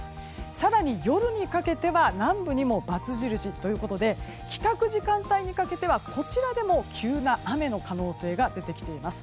更に夜にかけては南部にも×印ということで帰宅時間帯にかけてはこちらでも急な雨の可能性が出てきています。